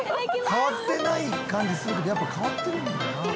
「変わってない感じするけどやっぱ変わってるんだな」